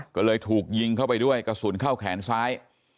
ก็เลยถูกยิงเข้าไปด้วยกระสุนเข้าแขนซ้าย